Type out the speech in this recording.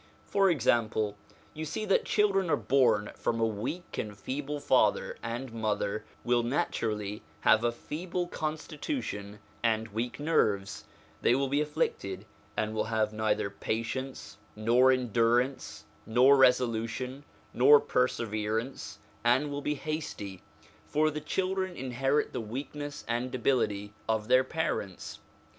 For example, you see that children born from a weak and feeble father and mother will naturally have a feeble constitution and weak nerves; they will be afflicted, and will have neither patience, nor endurance, nor resolution, nor perseverance, and will be hasty; for the children in herit the weakness and debility of their parents.